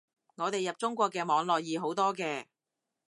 我哋入中國嘅網絡易好多嘅